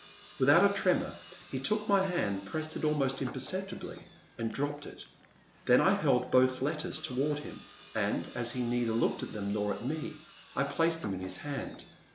Without a tremor he took my hand, pressed it almost imperceptibly, and dropped it. Then I held both letters toward him, and, as he neither looked at them nor at me, I placed them in his hand.